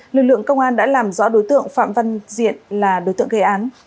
lực lượng công an đã làm rõ đối tượng phạm văn diện là đối tượng gây án